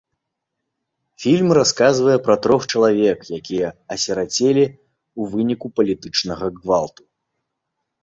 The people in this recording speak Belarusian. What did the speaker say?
Фільм расказвае пра трох чалавек, якія асірацелі ў выніку палітычнага гвалту.